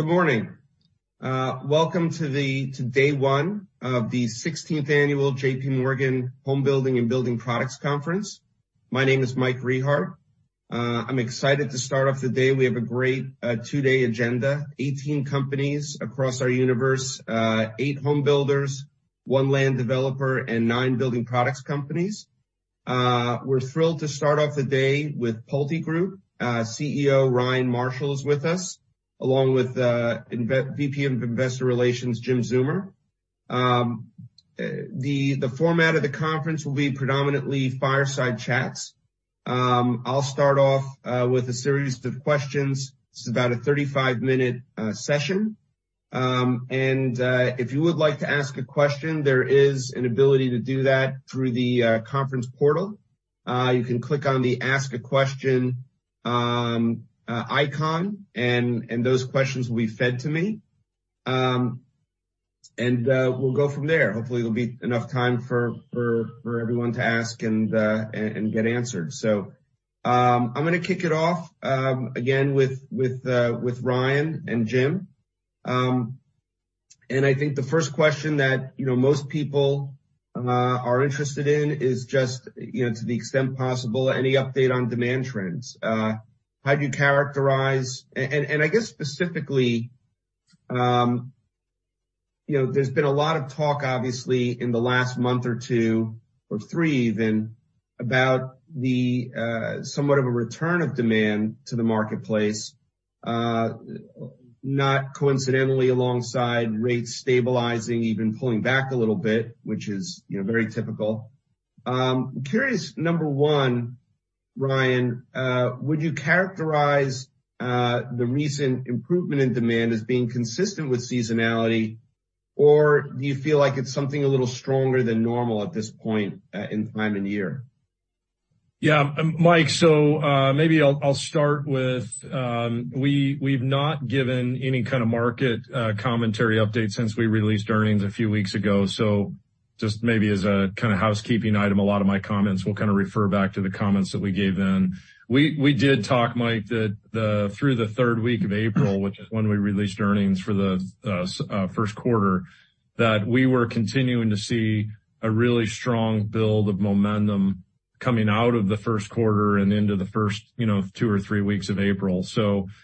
Good morning. Welcome to day one of the 16th Annual J.P. Morgan Homebuilding & Building Products Conference. My name is Michael Rehaut. I'm excited to start off the day. We have a great two-day agenda. 18 companies across our universe, eight homebuilders, one land developer, and nine building products companies. We're thrilled to start off the day with PulteGroup. CEO, Ryan Marshall is with us, along with VP of Investor Relations, Jim Zeumer. The format of the conference will be predominantly fireside chats. I'll start off with a series of questions. This is about a 35-minute session. If you would like to ask a question, there is an ability to do that through the conference portal. You can click on the Ask a Question icon, and those questions will be fed to me. We'll go from there. Hopefully, it'll be enough time for everyone to ask and get answered. I'm gonna kick it off again with Ryan and Jim. I think the first question that, you know, most people are interested in is just, you know, to the extent possible, any update on demand trends. How do you characterize? I guess specifically, you know, there's been a lot of talk, obviously, in the last month or two or three even about the somewhat of a return of demand to the marketplace, not coincidentally, alongside rates stabilizing, even pulling back a little bit, which is, you know, very typical. Curious, number one, Ryan, would you characterize the recent improvement in demand as being consistent with seasonality, or do you feel like it's something a little stronger than normal at this point in time and year? Mike, maybe I'll start with, we've not given any kind of market commentary update since we released earnings a few weeks ago. Just maybe as a kind of housekeeping item, a lot of my comments will kind of refer back to the comments that we gave then. We did talk, Mike, that through the third week of April, which is when we released earnings for the first quarter, that we were continuing to see a really strong build of momentum coming out of the first quarter and into the first, you know, two or three weeks of April. With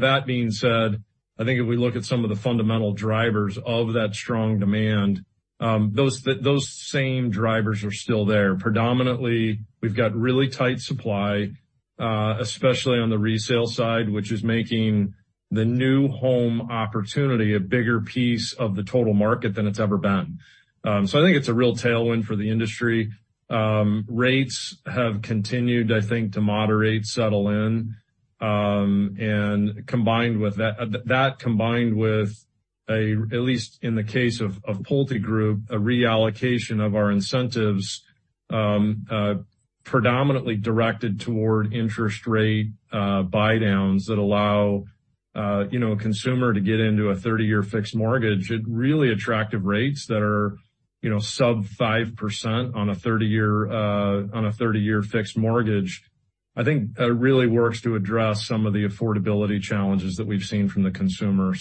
that being said, I think if we look at some of the fundamental drivers of that strong demand, those same drivers are still there. Predominantly, we've got really tight supply, especially on the resale side, which is making the new home opportunity a bigger piece of the total market than it's ever been. I think it's a real tailwind for the industry. Rates have continued, I think, to moderate, settle in, and combined with that. That combined with a, at least in the case of PulteGroup, a reallocation of our incentives, predominantly directed toward interest rate buydowns that allow, you know, a consumer to get into a 30-year fixed mortgage at really attractive rates that are, you know, sub-5% on a 30-year fixed mortgage. I think that really works to address some of the affordability challenges that we've seen from the consumer.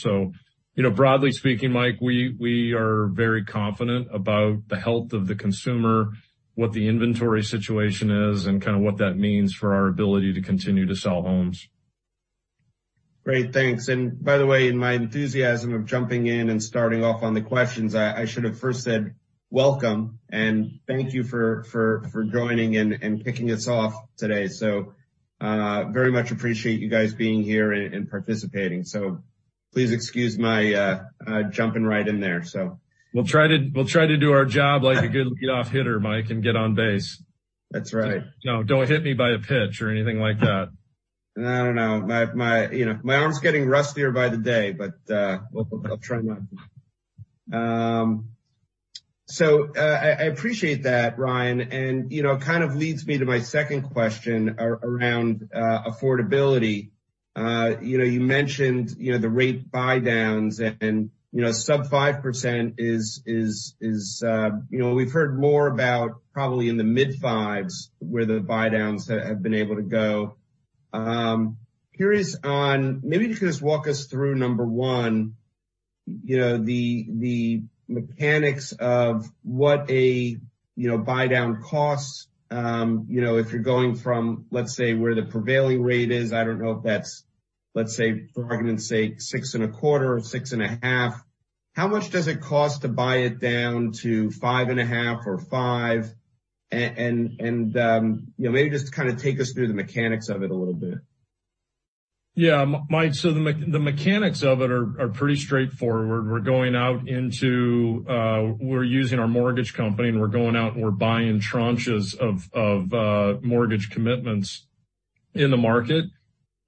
You know, broadly speaking, Mike, we are very confident about the health of the consumer, what the inventory situation is, and kind of what that means for our ability to continue to sell homes. Great. Thanks. By the way, in my enthusiasm of jumping in and starting off on the questions, I should have first said welcome and thank you for joining and kicking us off today. Very much appreciate you guys being here and participating. Please excuse my jumping right in there, so. We'll try to do our job like a good leadoff hitter, Mike, and get on base. That's right. Now, don't hit me by a pitch or anything like that. I don't know. My, you know, my arm's getting rustier by the day, but, I'll try not to. I appreciate that, Ryan, you know, it kind of leads me to my second question around affordability. You know, you mentioned, you know, the Rate Buydowns and, you know, Sub-5% is, you know, we've heard more about probably in the Mid-Fives where the Buydowns have been able to go. Curious on... Maybe you can just walk us through, number one, you know, the mechanics of what a, you know, Buydown costs. You know, if you're going from, let's say, where the prevailing rate is, I don't know if that's, let's say, for argument's sake, 6.25% or 6.5%. How much does it cost to buy it down to 5.5% or 5%? You know, maybe just kind of take us through the mechanics of it a little bit. Yeah, Mike, the mechanics of it are pretty straightforward. We're going out into. We're using our mortgage company, and we're going out, and we're buying Tranches of Mortgage Commitments in the market,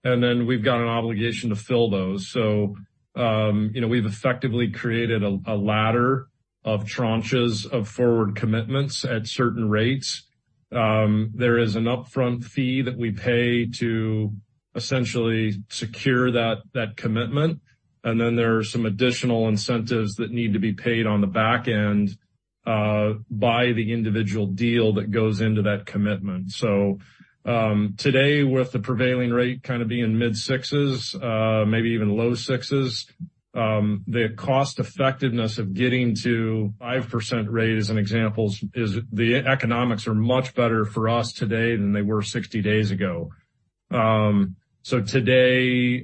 and then we've got an obligation to fill those. You know, we've effectively created a Ladder of Tranches, of Forward Commitments at certain rates. There is an Upfront Fee that we pay to essentially secure that commitment, and then there are some additional incentives that need to be paid on the back end, by the individual deal that goes into that commitment. Today, with the prevailing rate kind of being Mid-Sixes, maybe even Low Sixes, the cost-effectiveness of getting to 5% rate as an example is the economics are much better for us today than they were 60 days ago. Today, you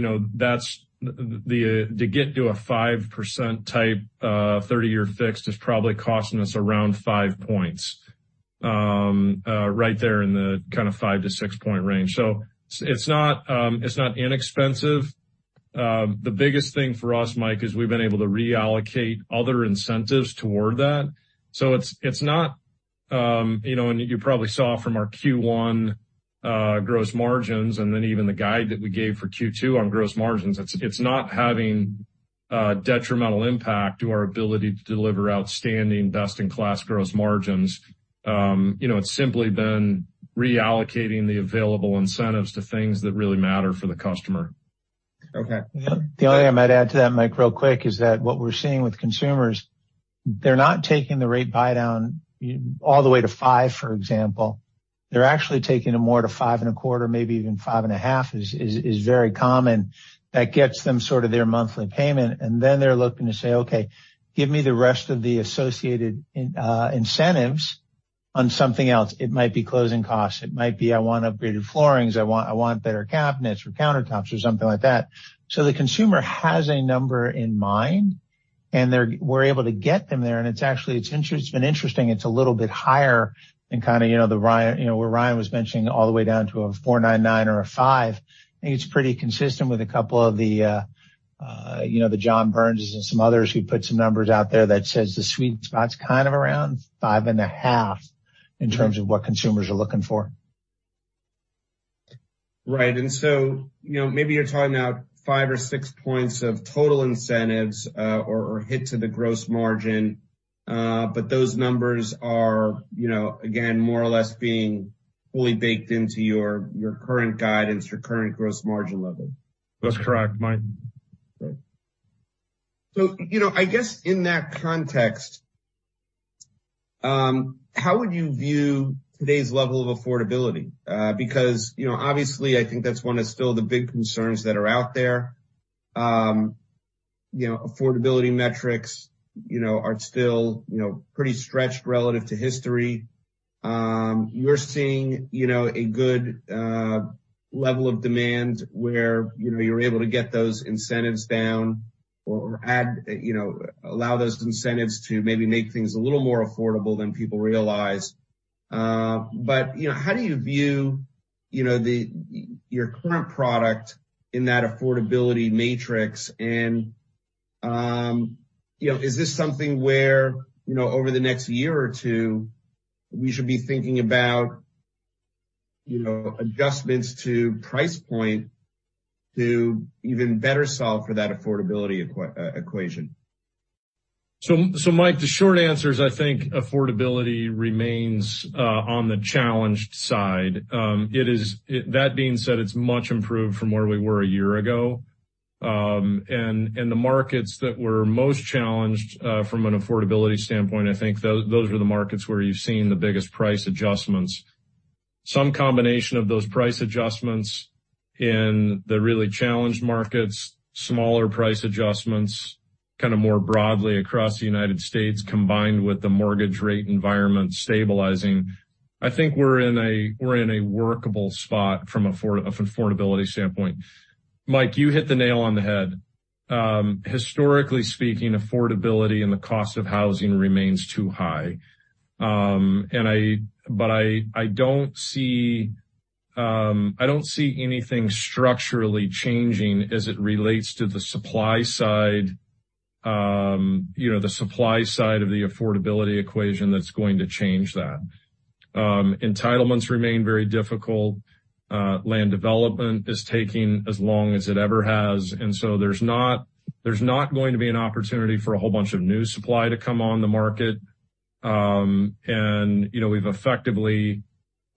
know, that's to get to a 5% type 30-Year Fixed is probably costing us around five points right there in the kinda five-to-six-Point range. It's not, it's not inexpensive. The biggest thing for us, Mike, is we've been able to reallocate other incentives toward that. It's not, you know, and you probably saw from our Q1 Gross Margins, and then even the guide that we gave for Q2 on Gross Margins, it's not having a detrimental impact to our ability to deliver outstanding Best-in-Class Gross Margins. You know, it's simply been reallocating the available incentives to things that really matter for the customer. Okay. The only thing I might add to that, Mike, real quick is that what we're seeing with consumers, they're not taking the Rate Buydown all the way to 5%, for example. They're actually taking it more to 5.25%, maybe even 5.5% is very common. That gets them sort of their monthly payment, and then they're looking to say, "Okay, give me the rest of the associated incentives on something else." It might be Closing Costs. It might be I want upgraded floorings. I want better cabinets or countertops or something like that. The consumer has a number in mind, and we're able to get them there, and it's actually, it's been interesting. It's a little bit higher than kind of, you know, the Ryan, you know, where Ryan was mentioning all the way down to a 4.99% or a 5%. I think it's pretty consistent with a couple of the, you know, the John Burns and some others who put some numbers out there that says the Sweet Spot is kind of around 5.5% in terms of what consumers are looking for. Right. You know, maybe you're talking about five or six Points of total incentives, or hit to the Gross Margin, but those numbers are, you know, again, more or less being fully baked into your current guidance, your current Gross Margin level. That's correct, Mike. Great. You know, I guess in that context, how would you view today's level of Affordability? You know, obviously, I think that's one of still the big concerns that are out there. You know, Affordability Metrics, you know, are still, you know, pretty stretched relative to history. You know, you're seeing, you know, a good level of demand where, you know, you're able to get those incentives down or add, you know, allow those incentives to maybe make things a little more affordable than people realize. You know, how do you view, you know, your current product in that Affordability Matrix? Is this something where, you know, over the next year or two, we should be thinking about, you know, adjustments to Price Point to even better solve for that Affordability Equation? Mike, the short answer is, I think Affordability remains on the challenged side. That being said, it's much improved from where we were a year ago. And the markets that were most challenged from an Affordability standpoint, I think those are the markets where you've seen the biggest Price Adjustments. Some combination of those Price Adjustments in the really challenged markets, smaller Price Adjustments, kinda more broadly across the United States, combined with the mortgage rate environment stabilizing. I think we're in a, we're in a workable spot from Affordability standpoint. Mike, you hit the nail on the head. Historically speaking, Affordability and the Cost of Housing remains too high. I don't see, I don't see anything structurally changing as it relates to the Supply Side, you know, the Supply Side of the Affordability Equation that's going to change that. Entitlements remain very difficult. Land Development is taking as long as it ever has. There's not, there's not going to be an opportunity for a whole bunch of new supply to come on the market. You know, we've effectively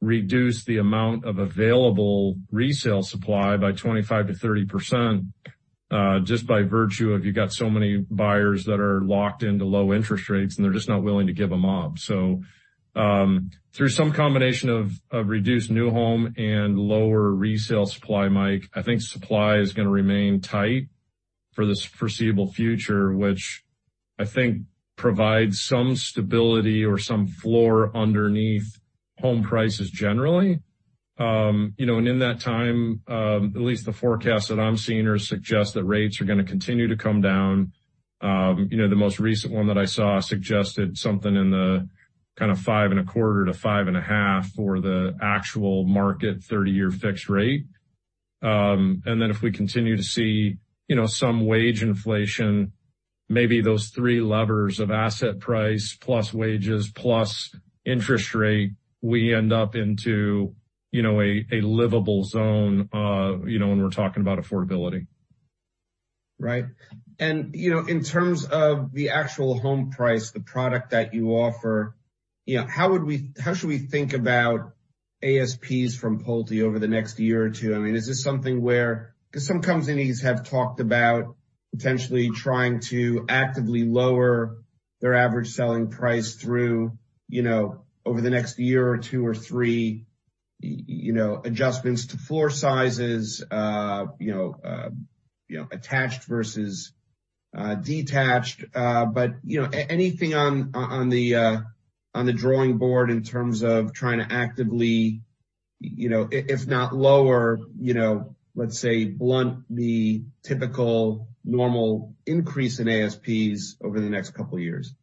reduced the amount of available Resale Supply by 25%-30%, just by virtue of you've got so many buyers that are locked into low interest rates, and they're just not willing to give them up. Through some combination of reduced New Home and lower Resale Supply, Mike, I think supply is gonna remain tight for the foreseeable future, which I think provides some stability or some floor underneath home prices generally. You know, in that time, at least the forecast that I'm seeing are suggest that rates are gonna continue to come down. You know, the most recent one that I saw suggested something in the kinda 5.25%-5.5% for the actual market 30-Year Fixed Rate. If we continue to see, you know, some Wage Inflation, maybe those three levers of Asset Price plus wages plus interest rate, we end up into, you know, a livable zone, you know, when we're talking about Affordability. Right. You know, in terms of the actual home price, the product that you offer, you know, how should we think about ASPs from Pulte over the next year or two? I mean, is this something where? Some companies have talked about potentially trying to actively lower their Average Selling Price through, you know, over the next year or two or three, you know, adjustments to floor sizes, you know, you know, Attached versus Detached. But, you know, anything on the drawing board in terms of trying to actively, you know, if not lower, you know, let's say blunt the typical normal increase in ASPs over the next couple years?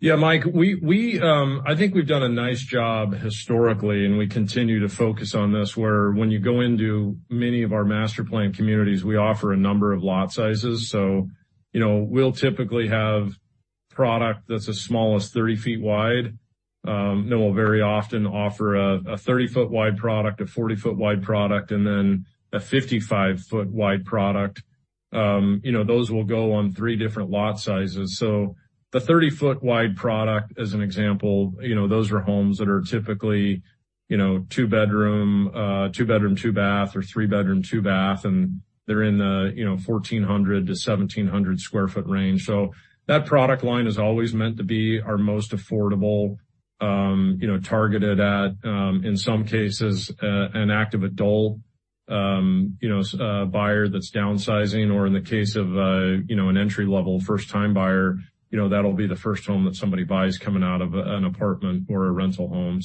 Yeah, Mike, I think we've done a nice job historically, and we continue to focus on this, where when you go into many of our Master Plan Communities, we offer a number of lot sizes. You know, we'll typically have product that's as small as 30 ft wide. We'll very often offer a 30-Foot wide product, a 40-foot wide product, and then a 55-foot wide product. You know, those will go on three different lot sizes. The 30-foot wide product, as an example, you know, those are homes that are typically, you know, two bedroom, two bath or three bedroom, two bath, and they're in the, you know, 1,400-1,700 sq ft range. That product line is always meant to be our most affordable, you know, targeted at, in some cases, an Active Adult, you know, a buyer that's downsizing or in the case of a, you know, an Entry-Level First-Time Buyer. You know, that'll be the first home that somebody buys coming out of an apartment or a rental home.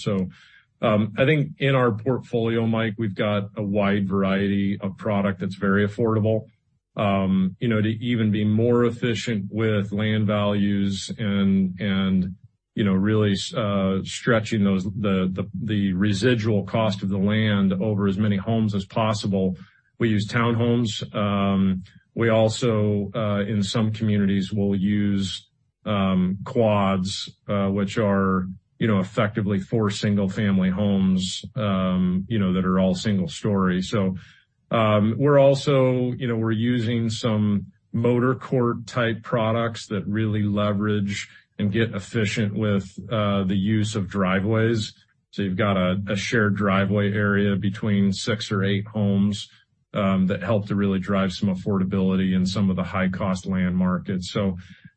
I think in our portfolio, Mike, we've got a wide variety of product that's very affordable. You know, to even be more efficient with land values and, you know, really stretching those the Residual Cost of the land over as many homes as possible, we use Townhomes. We also, in some communities will use Quads, which are, you know, effectively four single-family homes, that are all single story. we're also, you know, we're using some Motor Court type products that really leverage and get efficient with the use of driveways. You've got a shared driveway area between six or eight homes that help to really drive some Affordability in some of the high cost land markets.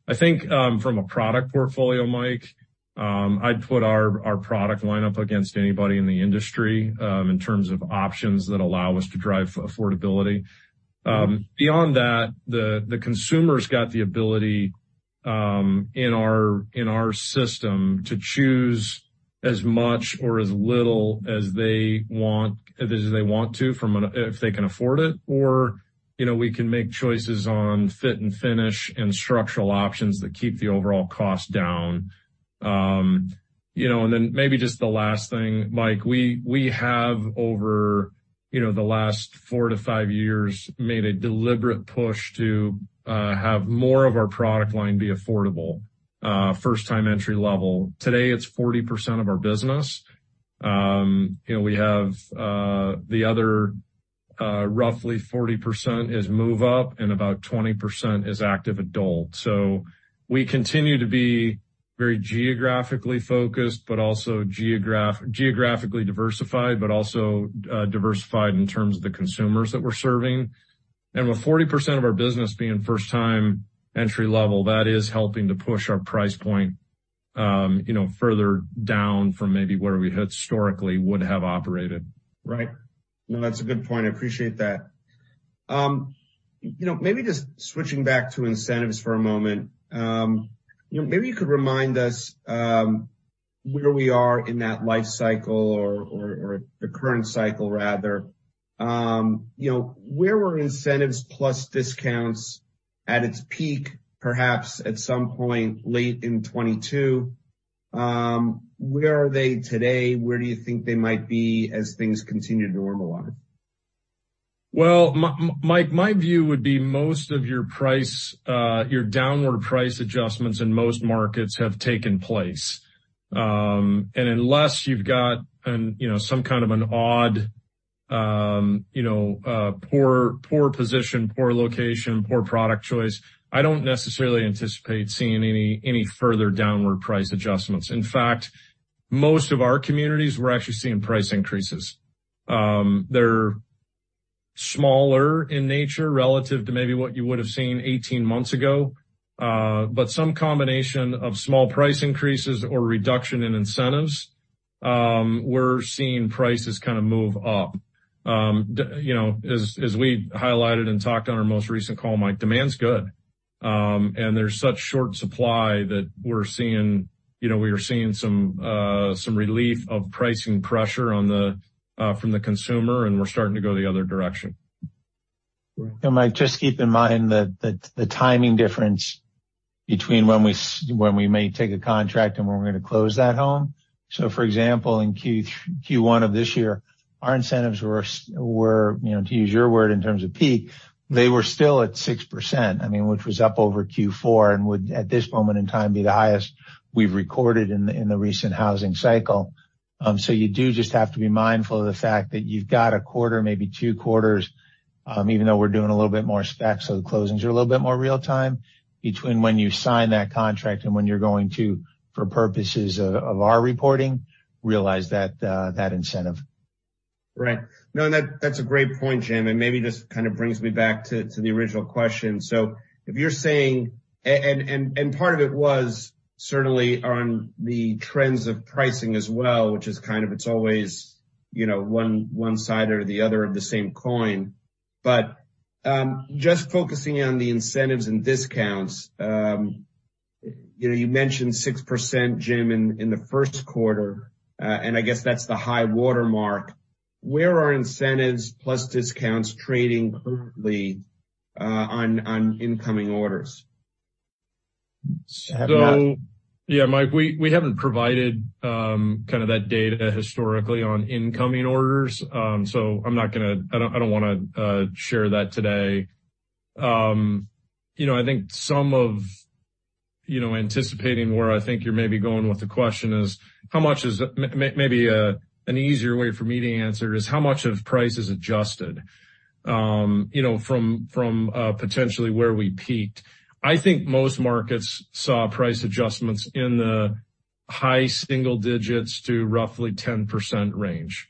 I think from a product portfolio, Mike, I'd put our product line up against anybody in the industry in terms of options that allow us to drive Affordability. Beyond that, the consumer's got the ability in our system to choose as much or as little as they want, as they want to if they can afford it, or, you know, we can make choices on Fit and Finish and Structural Options that keep the overall cost down. You know, maybe just the last thing, Mike, we have over, you know, the last four to five Years, made a deliberate push to have more of our product line be affordable, First-Time Entry-Level. Today, it's 40% of our business. You know, we have, the other, roughly 40% is Move-Up, and about 20% is Active Adult. We continue to be very geographically focused, but also geographically diversified, but also diversified in terms of the consumers that we're serving. With 40% of our business being First-Time Entry-Level, that is helping to push our Price Point, you know, further down from maybe where we historically would have operated. Right. No, that's a good point. I appreciate that. You know, maybe just switching back to Incentives for a moment. You know, maybe you could remind us, where we are in that life cycle or, or the current cycle rather. You know, where were Incentives plus Discounts at its peak, perhaps at some point late in 2022? Where are they today? Where do you think they might be as things continue to normalize? Well, Mike, my view would be most of your price, your downward Price Adjustments in most markets have taken place. Unless you've got an, you know, some kind of an odd, you know, poor position, poor location, poor product choice, I don't necessarily anticipate seeing any further downward Price Adjustments. In fact, most of our communities, we're actually seeing Price Increases. They're smaller in nature relative to maybe what you would have seen 18 months ago. But some combination of small Price Increases or reduction in Incentives, we're seeing prices kind of move up. The, you know, as we highlighted and talked on our most recent call, Mike, demand's good. There's such short supply that we're seeing, you know, we are seeing some relief of pricing pressure on the from the consumer, and we're starting to go the other direction. Right. Mike, just keep in mind that the timing difference between when we when we may take a contract and when we're gonna close that home. For example, in Q1 of this year, our Incentives were were, you know, to use your word in terms of peak, they were still at 6%, I mean, which was up over Q4 and would, at this moment in time, be the highest we've recorded in the recent housing cycle. You do just have to be mindful of the fact that you've got a quarter, maybe two Quarters, even though we're doing a little bit more Specs, so the closings are a little bit more real time between when you sign that contract and when you're going to, for purposes of our reporting, realize that Incentive. Right. No, that's a great point, Jim, and maybe this kind of brings me back to the original question. If you're saying and part of it was certainly on the trends of pricing as well, which is kind of it's always, you know, one side or the other of the same coin. Just focusing on the Incentives and Discounts, you know, you mentioned 6%, Jim, in the First Quarter, and I guess that's the High Watermark. Where are Incentives plus Discounts trading currently on Incoming Orders? Yeah, Mike, we haven't provided kind of that data historically on Incoming Orders. I don't wanna share that today. You know, I think some of, you know, anticipating where I think you're maybe going with the question is how much is maybe an easier way for me to answer is how much of price is adjusted, you know, from potentially where we peaked. I think most markets saw Price Adjustments in the High Single digits to roughly 10% range.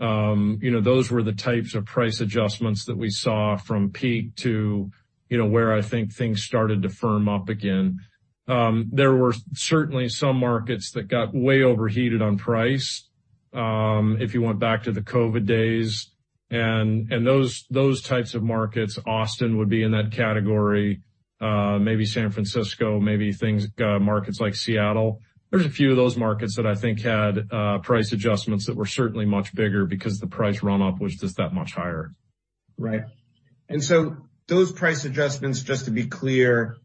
You know, those were the types of Price Adjustments that we saw from peak to, you know, where I think things started to firm up again. There were certainly some markets that got way overheated on price, if you went back to the COVID days, and those types of markets, Austin would be in that category, maybe San Francisco, maybe things, markets like Seattle. There's a few of those markets that I think had Price Adjustments that were certainly much bigger because the price run-up was just that much higher. Right. Those Price Adjustments, just to be clear,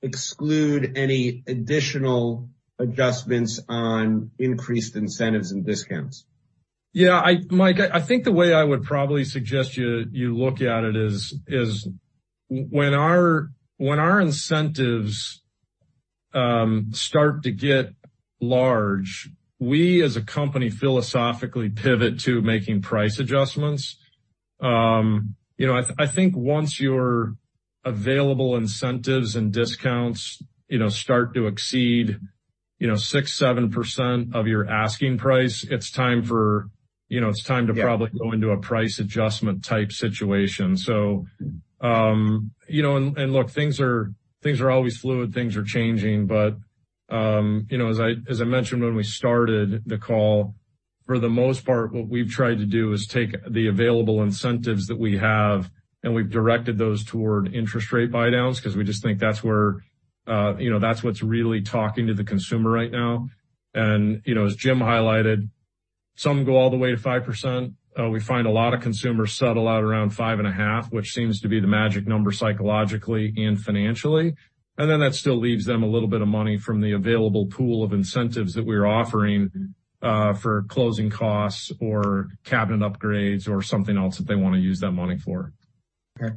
exclude any additional adjustments on increased Incentives and Discounts? Yeah. Mike, I think the way I would probably suggest you look at it is when our Incentives start to get large, we as a company philosophically pivot to making Price Adjustments. You know, I think once your available Incentives and Discounts, you know, start to exceed, you know, 6%, 7% of your Asking Price, it's time for, you know, it's time to probably go into a Price Adjustment type situation. You know, and look, things are always fluid, things are changing. You know, as I mentioned when we started the call, for the most part, what we've tried to do is take the available incentives that we have, and we've directed those toward Interest Rate Buydowns because we just think that's where, you know, that's what's really talking to the consumer right now. You know, as Jim highlighted, some go all the way to 5%. We find a lot of consumers settle out around 5.5%, which seems to be the Magic Number psychologically and financially. Then that still leaves them a little bit of money from the available pool of incentives that we're offering, for Closing Costs or cabinet upgrades or something else that they want to use that money for. Okay.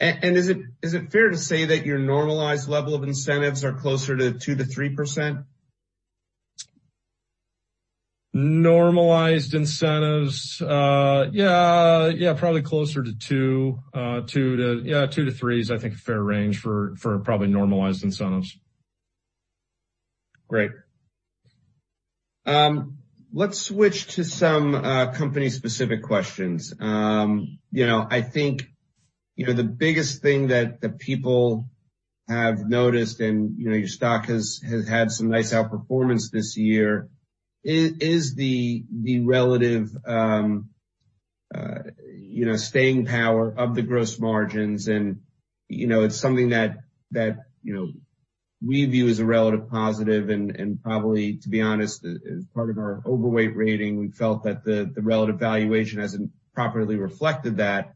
Is it fair to say that your Normalized Level of incentives are closer to 2%-3%? Normalized Incentives, yeah, probably closer to Yeah, 2%-3% is I think a fair range for probably normalized incentives. Great. Let's switch to some company-specific questions. You know, I think, you know, the biggest thing that the people have noticed, and, you know, your stock has had some nice outperformance this year, is the relative, you know, staying power of the Gross Margins. You know, it's something that, you know, we view as a relative positive and probably, to be honest, as part of our Overweight rating, we felt that the relative valuation hasn't properly reflected that.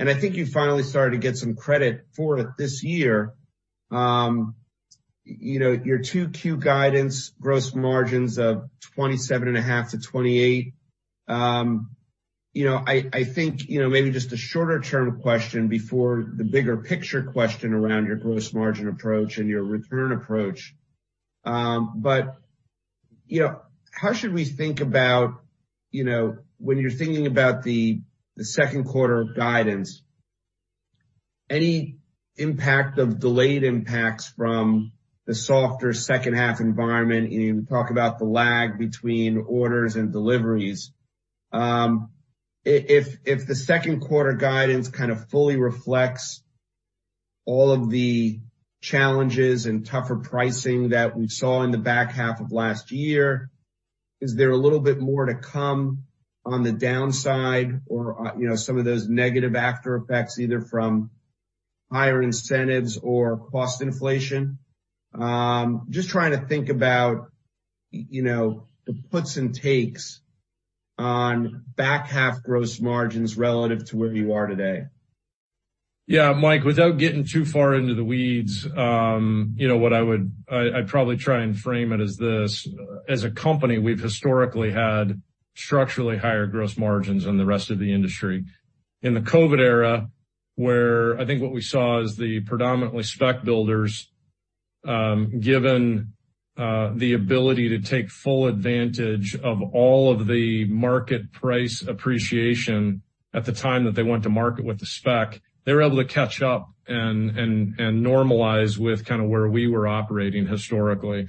I think you finally started to get some credit for it this year. You know, your 2Q Guidance Gross Margins of 27.5%-28%, you know, I think, you know, maybe just a shorter-term question before the bigger picture question around your Gross Margin approach and your return approach. You know, how should we think about, you know, when you're thinking about the Second Quarter guidance, any impact of delayed impacts from the softer Second Half environment? You know, you talk about the lag between orders and deliveries. If the Second Quarter guidance kind of fully reflects all of the challenges and tougher pricing that we saw in the back half of last year, is there a little bit more to come on the downside or, you know, some of those negative after effects, either from higher incentives or Cost Inflation? Just trying to think about, you know, the puts and takes on Back Half Gross Margins relative to where you are today. Yeah. Mike, without getting too far into the weeds, you know I'd probably try and frame it as this. As a company, we've historically had Structurally Higher Gross Margins than the rest of the industry. In the COVID era, where I think what we saw is the predominantly Spec Builders, given the ability to take full advantage of all of the market price appreciation at the time that they went to market with the Spec, they were able to catch up and normalize with kind of where we were operating historically.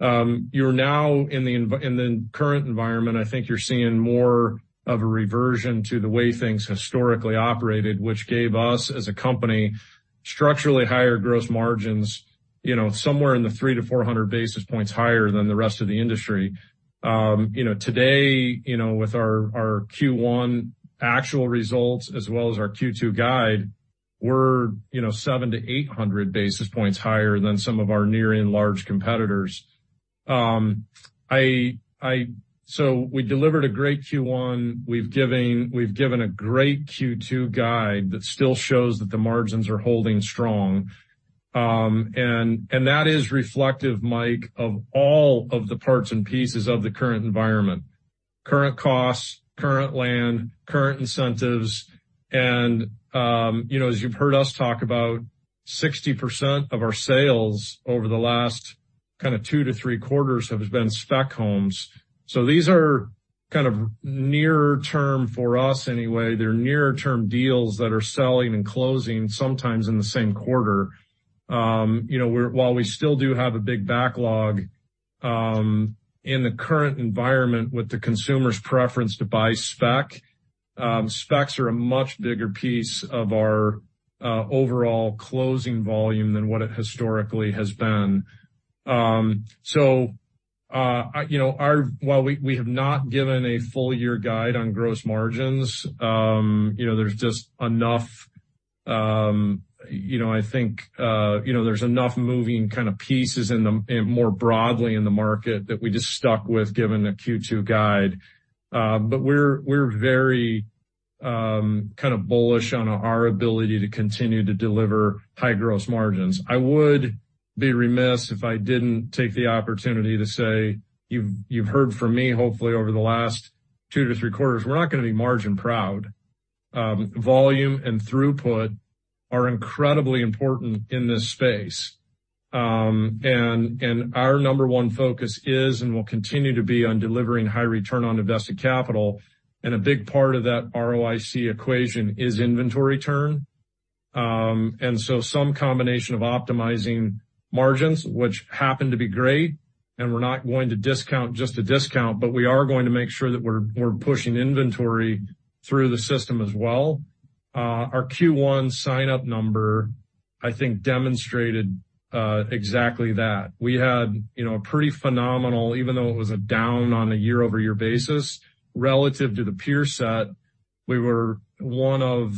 You're now in the current environment, I think you're seeing more of a Reversion to the way things historically operated, which gave us, as a company, Structurally Higher Gross Margins, you know, somewhere in the 300-400 basis points higher than the rest of the industry. Today, you know, with our Q1 Actual Results as well as our Q2 Guide, we're, you know, 700-800 basis points higher than some of our near and large competitors. We delivered a great Q1. We've given a great Q2 Guide that still shows that the margins are holding strong. That is reflective, Mike, of all of the parts and pieces of the current environment. Current costs, current land, current incentives, and, you know, as you've heard us talk about 60% of our sales over the last kinda two to three Quarters have been Spec Homes. These are kind of nearer term for us anyway. They're nearer term deals that are selling and closing sometimes in the same quarter. You know, while we still do have a big Backlog, in the current environment with the consumer's preference to buy Spec, Specs are a much bigger piece of our overall closing volume than what it historically has been. You know, while we have not given a full year guide on gross margins, you know, there's just enough, you know, I think, you know, there's enough moving kind of pieces more broadly in the market that we just stuck with giving a Q2 Guide. We're very, kind of bullish on our ability to continue to deliver High Gross Margins. I would be remiss if I didn't take the opportunity to say you've heard from me, hopefully over the last two to three Quarters, we're not gonna be Margin Proud. Volume and Throughput are incredibly important in this space. And our number one focus is, and will continue to be on delivering High Return on Invested Capital, and a big part of that ROIC Equation is Inventory Turn. Some combination of optimizing margins, which happen to be great, and we're not going to discount just to discount, but we are going to make sure that we're pushing inventory through the system as well. Our Q1 Sign-Up Number, I think, demonstrated exactly that. We had, you know, a pretty phenomenal, even though it was a down on a Year-over-Year basis, relative to the peer set, we were one of,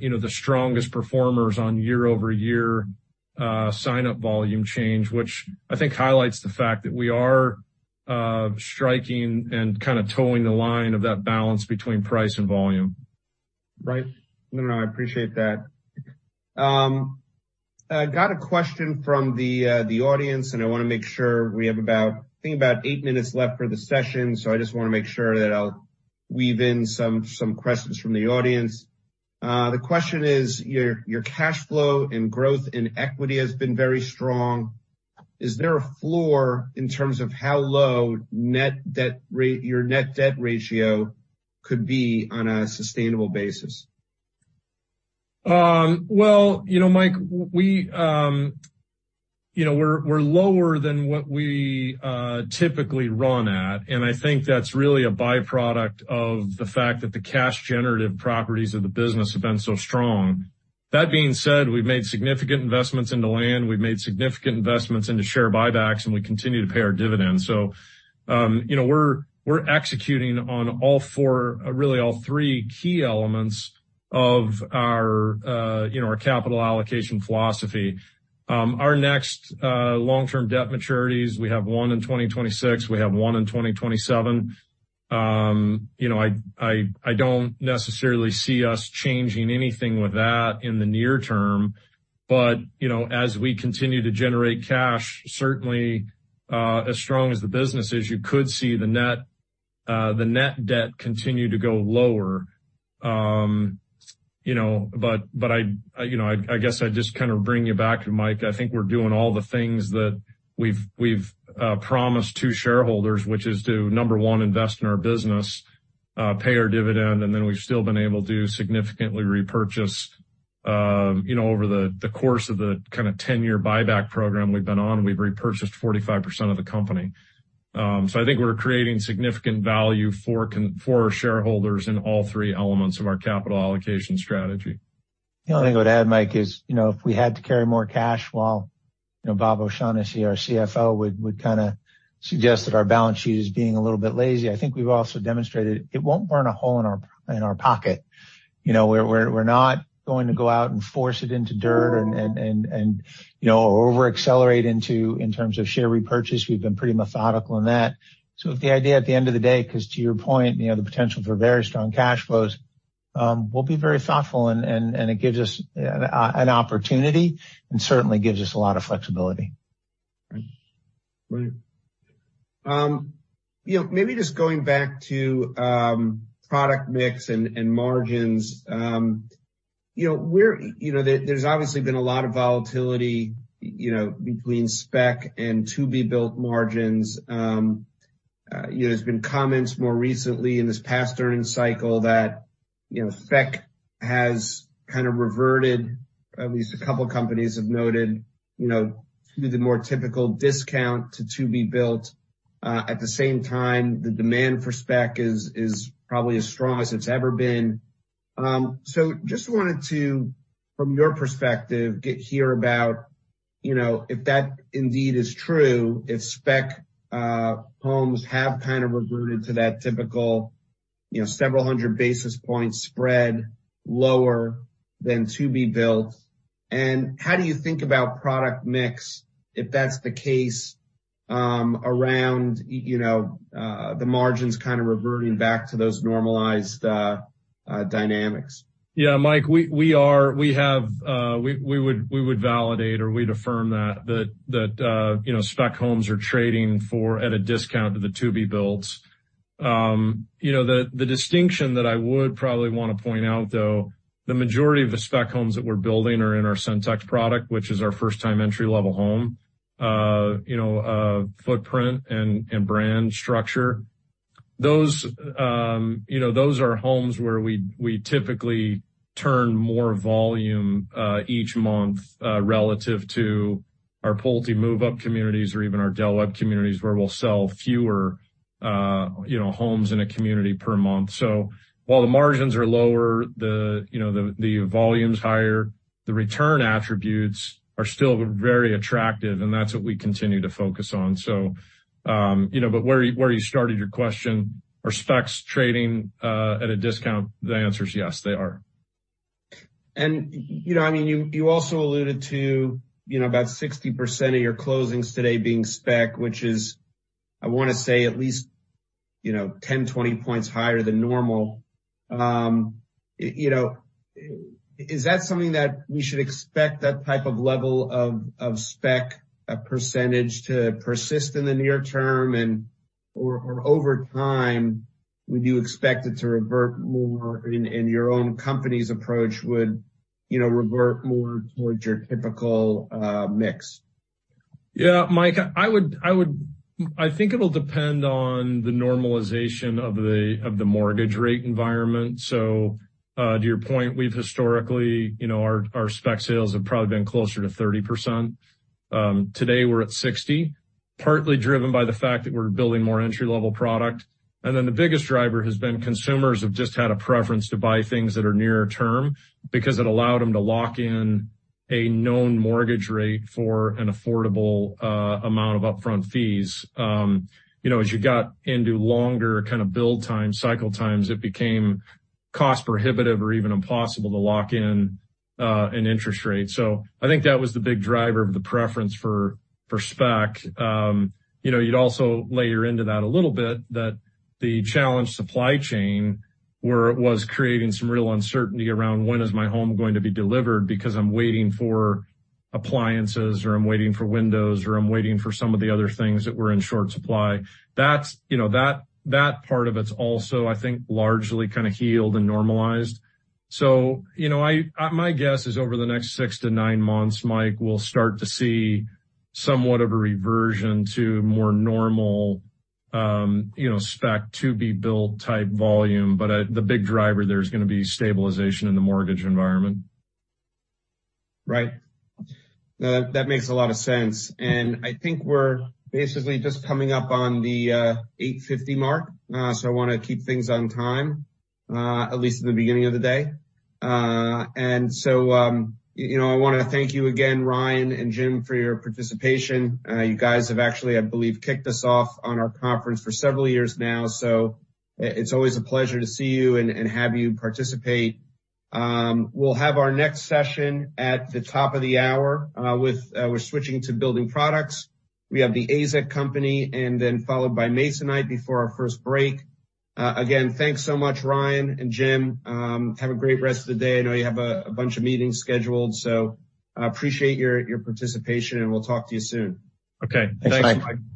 you know, the strongest performers on Year-over-Year Sign-Up Volume change, which I think highlights the fact that we are striking and kinda toeing the line of that balance between price and volume. Right. No, no, I appreciate that. I got a question from the audience, and I wanna make sure we have about, I think about eight minutes left for the session, so I just wanna make sure that I'll weave in some questions from the audience. The question is, your Cash Flow and Growth in Equity has been very strong. Is there a floor in terms of how low your Net Debt Ratio could be on a sustainable basis? Well, you know, Mike, we, you know, we're lower than what we typically run at, and I think that's really a by-product of the fact that the Cash-Generative Properties of the business have been so strong. That being said, we've made significant investments into Land, we've made significant investments into Share Buybacks, and we continue to pay our dividends. You know, we're executing on all four, really all three key elements of our, you know, our Capital Allocation Philosophy. Our next Long-Term Debt Maturities, we have one in 2026, we have one in 2027. you know, I don't necessarily see us changing anything with that in the near term, but, you know, as we continue to generate cash, certainly, as strong as the business is, you could see the Net Debt continue to go lower. I, you know, I guess I'd just kind of bring you back, Mike, I think we're doing all the things that we've promised to shareholders, which is to, number one, invest in our business, pay our dividend, and then we've still been able to significantly repurchase, you know, over the course of the kind of 10-Year Buyback Program we've been on, we've repurchased 45% of the company. I think we're creating significant value for our shareholders in all three elements of our Capital Allocation Strategy. The only thing I would add, Mike, is, you know, if we had to carry more cash, while, you know, Bob O'Shaughnessy, our CFO, would kinda suggest that our Balance Sheet is being a little bit lazy, I think we've also demonstrated it won't burn a hole in our pocket. You know, we're not going to go out and force it into dirt and, you know, or over-accelerate into in terms of Share Repurchase. We've been pretty methodical in that. If the idea at the end of the day, 'cause to your point, you know, the potential for Very Strong Cash Flows, we'll be very thoughtful and it gives us an opportunity, and certainly gives us a lot of flexibility. Right. Right. You know, maybe just going back to Product Mix and margins. You know, there's obviously been a lot of volatility, you know, between Spec and To-Be-Built margins. You know, there's been comments more recently in this past earnings cycle that, you know, Spec has kind of reverted, at least a couple of companies have noted, you know, to the more typical discount to To-Be-Built. At the same time, the demand for Spec is probably as strong as it's ever been. Just wanted to, from your perspective, hear about, you know, if that indeed is true, if Spec Homes have kind of reverted to that typical, you know, several hundred basis point spread lower than To-Be-Built. How do you think about Product Mix, if that's the case, around, you know, the margins kind of reverting back to those normalized dynamics? Yeah. Mike, we are, we have, we would, we would validate or we'd affirm that, that, you know, Spec Homes are trading for at a discount to the To-Be-Builts. You know, the distinction that I would probably wanna point out, though, the majority of the Spec Homes that we're building are in our Centex product, which is our First-Time Entry-Level home, you know, footprint and brand structure. Those, you know, those are homes where we typically turn more volume, each month, relative to our Pulte Move-Up communities or even our Del Webb communities, where we'll sell fewer, you know, homes in a community per month. While the margins are lower, the, you know, the volume's higher, the return attributes are still very attractive, and that's what we continue to focus on. you know, but where you started your question, are Specs trading, at a discount? The answer is yes, they are. You know, I mean, you also alluded to, you know, about 60% of your closings today being Spec, which is, I wanna say, at least, you know, 10, 20 points higher than normal. You know, is that something that we should expect that type of level of Spec Percentage to persist in the near term and/or over time, would you expect it to revert more in your own company's approach, would, you know, revert more towards your typical mix? Mike, I would I think it'll depend on the normalization of the mortgage rate environment. To your point, we've historically, you know, our Spec Sales have probably been closer to 30%. Today, we're at 60%, partly driven by the fact that we're building more Entry-Level product. The biggest driver has been consumers have just had a preference to buy things that are nearer term because it allowed them to lock in a known mortgage rate for an affordable amount of Upfront Fees. You know, as you got into longer kind of build time, Cycle Times, it became cost-prohibitive or even impossible to lock in an interest rate. I think that was the big driver of the preference for Spec. you know, you'd also layer into that a little bit that the challenged Supply Chain where it was creating some real uncertainty around when is my home going to be delivered because I'm waiting for appliances, or I'm waiting for windows, or I'm waiting for some of the other things that were in short supply. That's, you know, that part of it's also, I think, largely kind of healed and normalized. you know, my guess is over the next six to nine months, Mike, we'll start to see somewhat of a reversion to more normal, you know, Spec To-Be-Built type volume. The big driver there is gonna be stabilization in the mortgage environment. Right. No, that makes a lot of sense. I think we're basically just coming up on the 8:50 mark, so I wanna keep things on time, at least at the beginning of the day. You know, I wanna thank you again, Ryan and Jim, for your participation. You guys have actually, I believe, kicked us off on our conference for several years now, so it's always a pleasure to see you and have you participate. We'll have our next session at the top of the hour, with, we're switching to Building Products. We have The AZEK Company followed by Masonite before our first break. Again, thanks so much, Ryan and Jim. Have a great rest of the day. I know you have a bunch of meetings scheduled, so, appreciate your participation, and we'll talk to you soon. Okay. Thanks, Mike. Thanks.